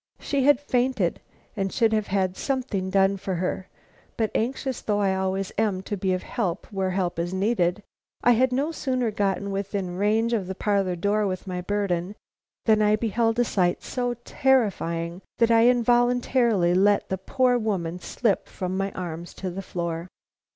She had fainted, and should have had something done for her, but anxious though I always am to be of help where help is needed, I had no sooner got within range of the parlor door with my burden, than I beheld a sight so terrifying that I involuntarily let the poor woman slip from my arms to the floor.